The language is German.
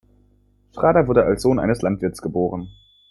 Schrader wurde als Sohn eines Landwirts geboren.